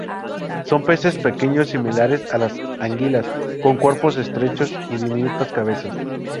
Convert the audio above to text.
Son peces pequeños, similares a las anguilas, con cuerpos estrechos y diminutas cabezas.